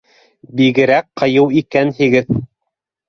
— Бигерәк ҡыйыу икәнһегеҙ.